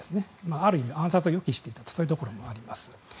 ある意味、暗殺を予期していたというところがあります。